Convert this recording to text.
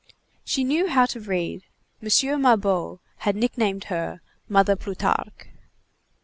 She knew how to read. M. Mabeuf had nicknamed her Mother Plutarque.